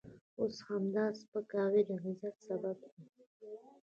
اوس همدا سپکاوی د عزت سبب دی.